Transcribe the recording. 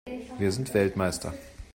Wir sind Weltmeister!